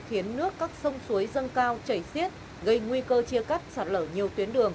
khiến nước các sông suối dâng cao chảy xiết gây nguy cơ chia cắt sạt lở nhiều tuyến đường